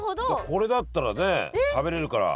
これだったらね食べれるから。